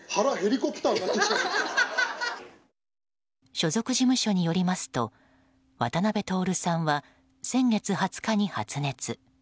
所属事務所によりますと渡辺徹さんは先月２０日に発熱。